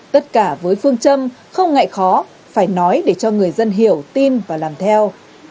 tất cả với phương châm không ngại khó phải nói để cho người dân hiểu tin và làm theo